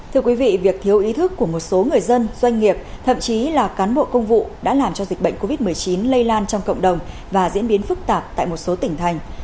thưa quý vị việc thiếu ý thức của một số người dân doanh nghiệp thậm chí là cán bộ công vụ đã làm cho dịch bệnh covid một mươi chín lây lan trong cộng đồng và diễn biến phức tạp tại một số tỉnh thành